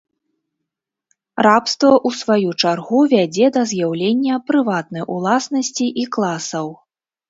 Рабства ў сваю чаргу вядзе да з'яўлення прыватнай уласнасці і класаў.